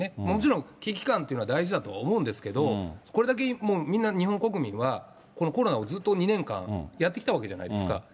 もちろん、危機感っていうのは大事だとは思うんですけど、これだけもうみんな、日本国民は、このコロナをずっと２年間、やってきたわけじゃないですか。